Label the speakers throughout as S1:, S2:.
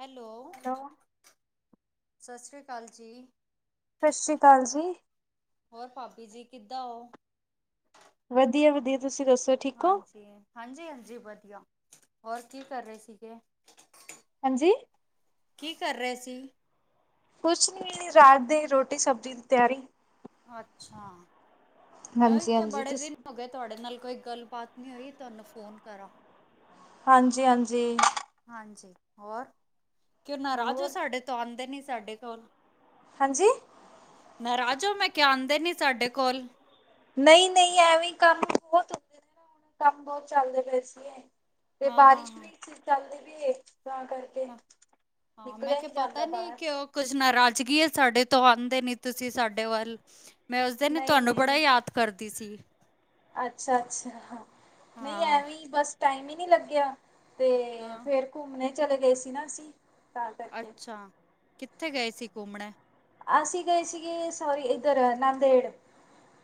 S1: Hello.
S2: Hello.
S1: ਸਤਿ ਸ਼੍ਰੀ ਅਕਾਲ ਜੀ।
S2: ਸਤਿ ਸ਼੍ਰੀ ਅਕਾਲ ਜੀ।
S1: ਹੋਰ ਭਾਬੀ ਜੀ ਕਿੱਦਾਂ ਓ?
S2: ਵਧੀਆ-ਵਧੀਆ, ਤੁਸੀਂ ਦੱਸੋ? ਠੀਕ ਹੋ?
S1: ਹਾਂਜੀ-ਹਾਂਜੀ-ਹਾਂਜੀ, ਵਧੀਆ ਹੋਰ ਕੀ ਕਰ ਰਹੇ ਸੀ ਗੇ।
S2: ਹਾਂਜੀ।
S1: ਕੀ ਕਰ ਰਹੇ ਸੀ?
S2: ਕੁਛ ਨੀ ਰਾਤ ਦੇ ਰੋਟੀ ਸਬਜ਼ੀ ਦੀ ਤਿਆਰੀ
S1: ਅੱਛਾ, ਮੈਂ
S2: ਹਾਂਜੀ
S1: ਕਿਆ
S2: ਹਾਂਜੀ
S1: ਬੜੇ ਦਿਨ
S2: ਤੁਸੀਂ
S1: ਹੋਗੇ ਤੁਹਾਡੇ ਨਾਲ ਕੋਈ ਗੱਲਬਾਤ ਨਹੀਂ ਹੋਈ, ਤੁਹਾਨੂੰ ਫੋਨ ਕਰਾਂ
S2: ਹਾਂਜੀ, ਹਾਂਜੀ
S1: ਹਾਂਜੀ, ਹੋਰ ਕਿਉਂ ਨਾਰਾਜ ਉ
S2: ਹੋਰ
S1: ਸਾਡੇ ਤੋਂ ਆਉਂਦੇ ਨੀ ਸਾਡੇ ਕੋਲ
S2: ਹਾਂਜੀ
S1: ਨਰਾਜ ੳ ਮੈਂ ਕਿਹਾ, ਆਂਦੇ ਨਹੀਂ ਸਾਡੇ ਕੋਲ
S2: ਨਹੀਂ ਨਹੀਂ ਐਵੇਂ ਕੰਮ ਬਹੁਤ ਹੁੰਦੇ ਹੁਣ ਕੰਮ ਬਹੁਤ ਚੱਲਦੇ ਪਏ ਸੀ। ਤੇ
S1: ਹਾਂ, ਹਾਂ,
S2: ਬਾਰਿਸ਼ ਵੀ
S1: ਹਾਂ। ਹਾਂ
S2: ਚੱਲਦੀ ਵੀ ਹੈ ਤਾਂ ਕਰਕੇ,
S1: ਹਾਂ ਮੈਂ
S2: ਨਿਕਲਿਆ
S1: ਕਿਹਾ
S2: ਨੀ
S1: ਪਤਾ
S2: ਜਾਂਦਾ
S1: ਨੀ
S2: ਬਾਹਰ।
S1: ਕਿਉ, ਕੁਝ ਨਾਰਾਜ਼ਗੀ ਏ ਸਾਡੇ ਤੋਂ ਆਂਦੇ ਨੀ ਤੁਸੀਂ ਸਾਡੇ ਵੱਲ, ਮੈਂ ਉਸ ਦਿਨ
S2: ਨਹੀਂ
S1: ਤੁਹਾਨੂੰ
S2: ਨਹੀਂ
S1: ਬੜਾ
S2: ਨਹੀਂ
S1: ਯਾਦ ਕਰਦੀ ਸੀ।
S2: ਅੱਛਾ, ਅੱਛਾ ਹਾਂ ਨਹੀਂ
S1: ਹਾਂ,
S2: ਐਵੇਂ ਬਸ ਟਾਈਮ ਹੀ ਨਹੀਂ ਲੱਗਿਆ। ਤੇ
S1: ਹਾਂ
S2: ਫਿਰ ਘੁੰਮਣੇ ਚਲੇ ਗਏ ਸੀ ਨਾ ਅਸੀਂ, ਤਾਂ ਕਰਕੇ।
S1: ਅੱਛਾ ਕਿੱਥੇ ਗਏ ਸੀ ਘੁੰਮਣੇ,
S2: ਅਸੀ ਗਏ ਸੀਗੇ ਸੌਰੀ ਇਧਰ ਨੰਦੇੜ,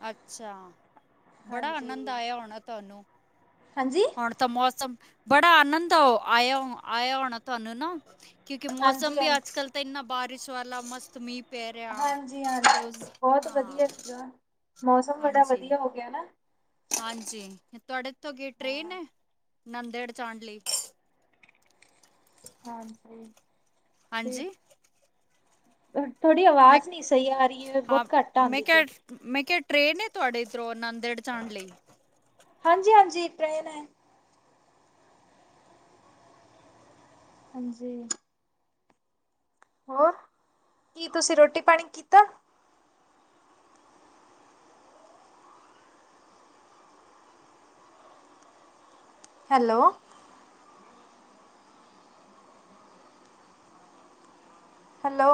S1: ਅੱਛਾ, ਬੜਾ
S2: ਹਾਂਜੀ।
S1: ਆਨੰਦ ਆਇਆ ਹੋਣਾ ਤੁਹਾਨੂੰ
S2: ਹਾਂਜੀ।
S1: ਹੁਣ, ਤਾਂ ਮੌਸਮ ਬੜਾ ਆਨੰਦ ਆਇਆ ਆਇਆ ਹੋਣਾ ਤੁਹਾਨੂੰ ਹਨਾ, ਕਿਉਂਕਿ ਮੌਸਮ
S2: ਹਾਂਜੀ ਹਾਂ
S1: ਵੀ ਅੱਜ ਕੱਲ ਤਾਂ ਇੰਨਾ ਬਾਰਿਸ਼ ਵਾਲਾ ਮਸਤ ਮੀਂਹ, ਪੈ ਰਿਹਾ
S2: ਹਾਂਜੀ,
S1: ਤੇ
S2: ਹਾਂਜੀ
S1: ਉਸ
S2: ਬਹੁਤ
S1: ਹਾਂ,
S2: ਵਧੀਆ ਸੀਗਾ ਮੌਸਮ ਬੜਾ
S1: ਹਾਂਜੀ,
S2: ਵਧੀਆ ਹੋ ਗਿਆ ਨਾ,
S1: ਹਾਂਜੀ, ਤੁਹਾਡੇ ਤੋਂ ਅੱਗੇ ਟ੍ਰੇਨ
S2: ਹਾਂ।
S1: ਹੈ ਨੰਦੇੜ ਜਾਣ ਲਈ,
S2: ਹਾਂਜੀ,
S1: ਹਾਂਜੀ,
S2: ਥੋਡੀ
S1: ਮੈਂ
S2: ਆਵਾਜ਼ ਨਹੀਂ ਸਹੀ ਆ ਰਹੀ ਹੈ
S1: ਹਾਂ
S2: ਬਹੁਤ ਘੱਟ
S1: ਮੈਂ
S2: ਆਂਦੀ ਪਈ,
S1: ਕਿਹਾ ਮੈਂ ਕਿਹਾ ਟ੍ਰੇਨ ਹੈ ਤੁਹਾਡੇ ਇੱਧਰੋਂ ਨੰਦੇੜ ਜਾਣ ਲਈ,
S2: ਹਾਂਜੀ, ਹਾਂਜੀ ਟ੍ਰੇਨ ਹੈ, ਹਾਂਜੀ, ਹੋਰ ਕੀ ਤੁਸੀਂ ਰੋਟੀ ਪਾਣੀ ਕੀਤਾ। Hello, hello,